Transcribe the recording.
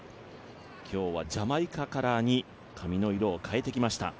今日はジャマイカカラーに髪の色を変えてきました。